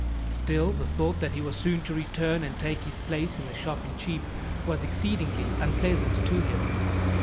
Still, the thought that he was soon to return and take his place in the shop in Chepe was exceedingly unpleasant to him.